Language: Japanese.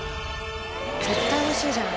絶対美味しいじゃん。